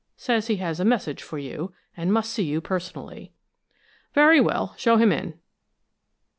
Says he has a message for you, and must see you personally." "Very well. Show him in."